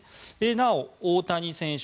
なお、大谷選手